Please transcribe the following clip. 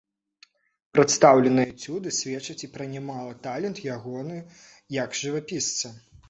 Прадстаўленыя эцюды сведчаць і пра немалы талент ягоны як жывапісца.